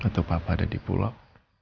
atau papa ada di bulog